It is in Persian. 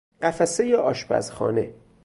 قفسه آشپزخانه